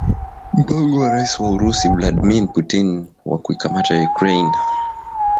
Mpango wa Raisi wa Urusi Vladmir Putin wa kuikamata Ukraine